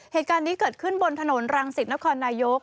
เหตุการณ์นี้เกิดขึ้นบนถนนรังสิตนครนายก